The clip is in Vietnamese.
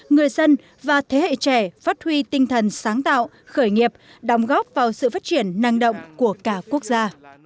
người dân và thế hệ trẻ phát huy tinh thần sáng tạo khởi nghiệp đóng góp vào sự phát triển năng động của cả quốc gia